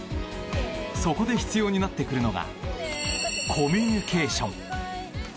そこで必要になってくるのがコミュニケーション。